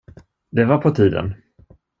Det var på tiden!